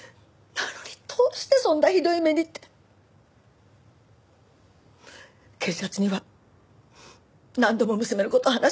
なのにどうしてそんなひどい目にって。警察には何度も娘の事を話しました。